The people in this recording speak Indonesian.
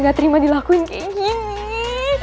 gak terima dilakuin kayak gini